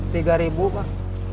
tiga ribu pak